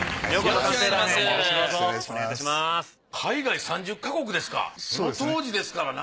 海外３０か国ですか。